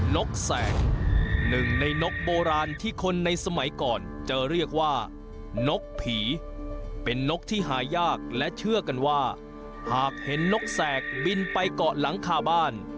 นกแสกหนึ่งในนกโบราณที่คนในสมัยก่อนจะเรียกว่านกผีเป็นนกที่หายากและเชื่อกันว่าหากเห็นนกแสกบินไปเกาะหลังคาบ้าน